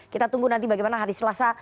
kita tunggu nanti bagaimana hari selasa